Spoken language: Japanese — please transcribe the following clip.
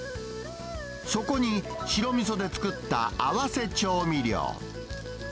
そこに、白みそで作った合わせ調味料。